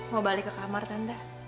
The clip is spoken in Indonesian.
mau balik ke kamar tanda